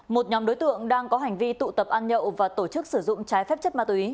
một nhóm đối tượng đang có hành vi tụ tập ăn nhậu và tổ chức sử dụng trái phép chất ma túy